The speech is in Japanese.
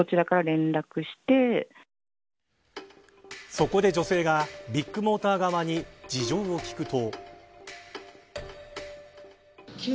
そこで女性がビッグモーター側に事情を聞くと。